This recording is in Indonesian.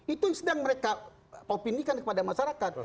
itu yang sedang mereka opinikan kepada masyarakat